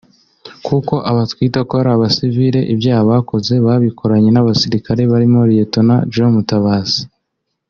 kuko aba bitwa ko ari abasivile ibyaha bakoze babikoranye n’abasirikare barimo Lt Joel Mutabazi